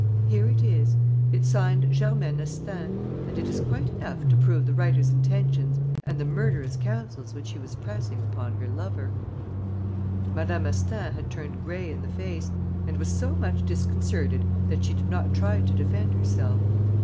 Here it is. It's signed Germaine Astaing and it is quite enough to prove the writer's intentions and the murderous counsels which she was pressing upon her lover." Madame Astaing had turned grey in the face and was so much disconcerted that she did not try to defend herself.